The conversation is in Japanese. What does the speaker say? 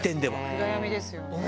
暗闇ですよね。